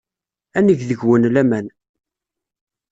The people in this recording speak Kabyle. Ad neg deg-wen laman.